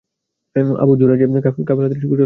আবু যুরাইযের কাফেলা দৃষ্টিগোচর হয় না।